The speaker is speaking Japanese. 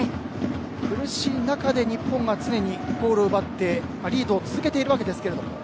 苦しい中で日本が常にゴールを奪ってリードを続けているわけですが。